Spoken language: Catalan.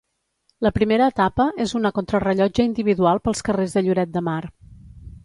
La primera etapa és una contrarellotge individual pels carrers de Lloret de Mar.